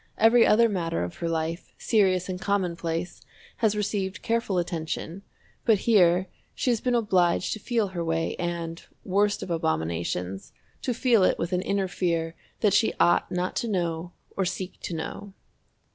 Every other matter of her life, serious and commonplace, has received careful attention, but here she has been obliged to feel her way and, worst of abominations, to feel it with an inner fear that she ought not to know or seek to know.